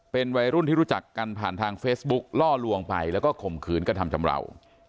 เป็นวัยรุ่นที่รู้จักกันผ่านทางเฟซบุ๊กล่อลวงไปแล้วก็ข่มขืนกระทำชำราว